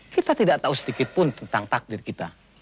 kita tidak tahu sedikit pun tentang takdir kita